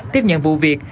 tiếp nhận vụ việc